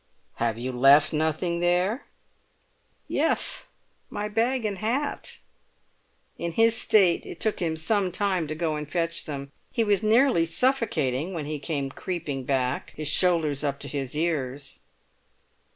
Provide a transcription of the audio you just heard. "Have you left nothing there?" "Yes; my bag and hat!" In his state it took him some time to go and fetch them; he was nearly suffocating when he came creeping back, his shoulders up to his ears.